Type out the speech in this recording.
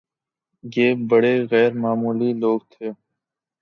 یہ بڑے غیرمعمولی لوگ تھے